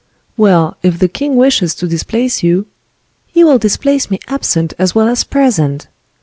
"Well, if the king wishes to displace you—" "He will displace me absent as well as present."